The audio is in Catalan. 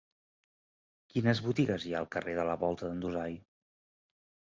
Quines botigues hi ha al carrer de la Volta d'en Dusai?